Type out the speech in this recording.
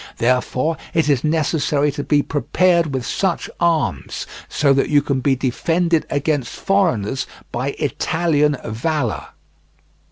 Therefore it is necessary to be prepared with such arms, so that you can be defended against foreigners by Italian valour.